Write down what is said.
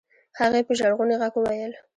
هغې په ژړغوني غږ وويل.